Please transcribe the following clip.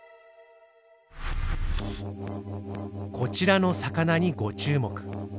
こちらの魚にご注目。